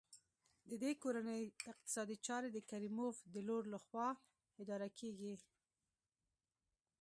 د دې کورنۍ اقتصادي چارې د کریموف د لور لخوا اداره کېږي.